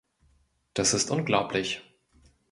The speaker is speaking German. Das ist unglaublich.